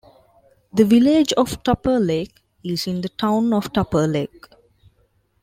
The village of Tupper Lake is in the town of Tupper Lake.